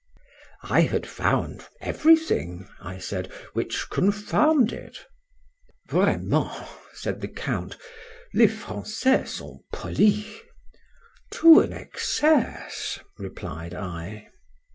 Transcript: —I had found every thing, I said, which confirmed it.—Vraiment, said the Count, les François sont polis.—To an excess, replied I.